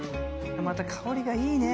また香りがいいね！